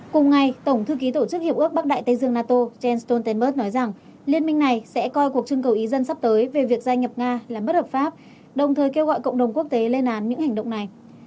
cùng ngày tổng thư ký tổ chức hiệp ước bắc đại tây dương nato jens stoltenberg nói rằng liên minh này sẽ coi cuộc trưng cầu ý dân sắp tới về việc gia nhập nga là bất hợp pháp đồng thời kêu gọi cộng đồng quốc tế lên án những hành động này